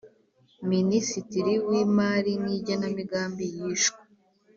Minisitiri w Imari n Igenamigambi yishwe